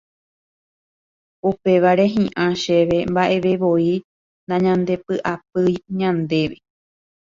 Upévare hi'ã chéve mba'evevoi nañandepy'apýi ñandéve